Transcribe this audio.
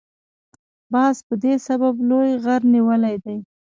باز په دې سبب لوی غر نیولی دی.